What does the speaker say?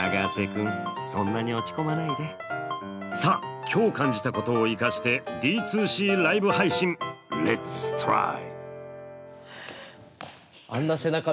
さあ今日感じたことを生かしてＤ２Ｃライブ配信Ｌｅｔ’ｓｔｒｙ！